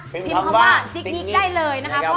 พิมพ์คำว่าสิงหิกได้เลยนะครับ